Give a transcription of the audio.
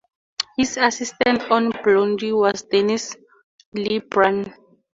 His assistant on "Blondie" was Denis Lebrun.